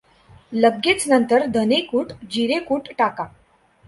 लगेच नंतर धने कूट, जिरे कूट टाका.